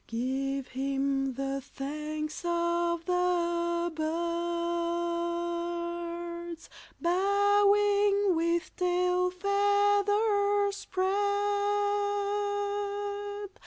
Give him the Thanks of the Birds, Bowing with tail feathers spread!